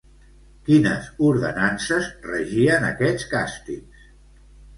Quines ordenances regien aquests càstigs?